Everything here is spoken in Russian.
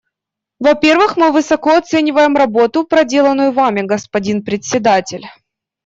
Во-первых, мы высоко оцениваем работу, проделанную Вами, господин Председатель.